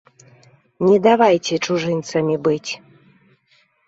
Не давайце чужынцамі быць!